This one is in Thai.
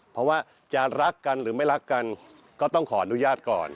เพราะว่าจะรักกันหรือไม่รักกันก็ต้องขออนุญาตก่อน